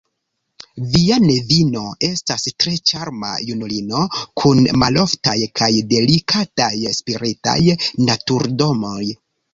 Via nevino estas tre ĉarma junulino kun maloftaj kaj delikataj spiritaj naturdonoj.